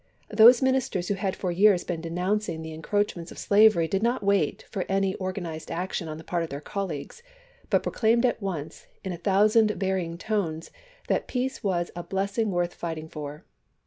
Those ministers who had for years been denouncing the encroachments of slavery did not wait for any or ganized action on the part of their colleagues, but proclaimed at once in a thousand varying tones that peace was "a blessing worth fighting for."